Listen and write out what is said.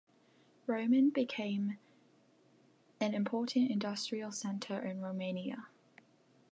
Roman became an important industrial center in Romania.